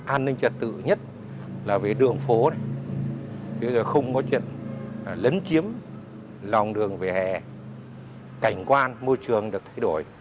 an ninh trật tự nhất là về đường phố không có chuyện lấn chiếm lòng đường về hẻ cảnh quan môi trường được thay đổi